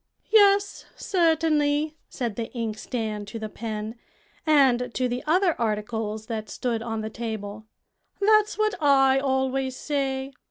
"Yes, certainly," said the inkstand to the pen, and to the other articles that stood on the table; "that's what I always say.